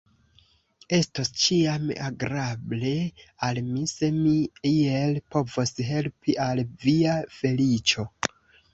Estos ĉiam agrable al mi, se mi iel povos helpi al via feliĉo.